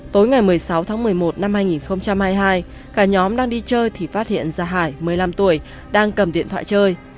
tối ngày một mươi sáu tháng một mươi một năm hai nghìn hai mươi hai cả nhóm đang đi chơi thì phát hiện ra hải một mươi năm tuổi đang cầm điện thoại chơi